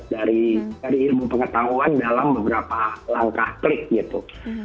dari ilmu pengetahuan dalam beberapa langkah klik gitu